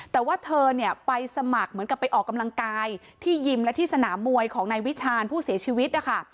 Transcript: แต่ว่าเธอเนี่ยไปสมัครเหมือนกับไปออกกำลังกายที่ยิมและที่สนามมวยของนายวิชาญผู้เสียชีวิตนะคะ